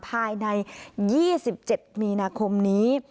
ภายใน๒๗มีนาคมนี้